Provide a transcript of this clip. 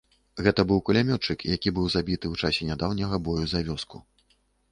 Гэта быў кулямётчык, які быў забіты ў часе нядаўняга бою за вёску.